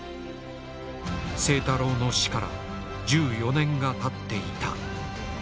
清太郎の死から１４年がたっていた。